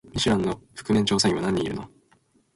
ミシュランの覆面調査員は何人いるの？